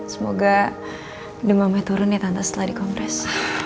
semoga demamnya turun nih tante setelah dikompres